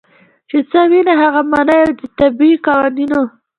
چې څۀ ويني هغه مني او د طبعي قوانینو